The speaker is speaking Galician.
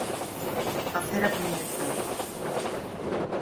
Facer a puñeta.